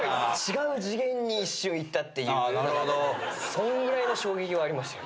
そんぐらいの衝撃はありました。